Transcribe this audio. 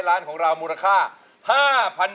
สติเราอยู่ไหน